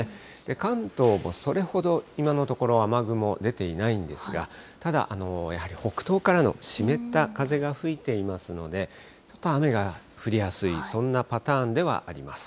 関東もそれほど今のところ、雨雲出ていないんですが、ただ、やはり北東からの湿った風が吹いていますので、ちょっと雨が降りやすい、そんなパターンではあります。